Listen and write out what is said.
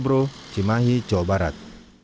ebro cimahi jawa barat